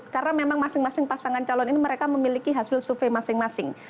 karena memang masing masing pasangan calon ini mereka memiliki hasil survei masing masing